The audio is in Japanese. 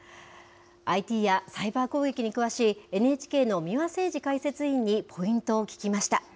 ＩＴやサイバー攻撃に詳しいＮＨＫの三輪誠司解説委員にポイントを聞きました。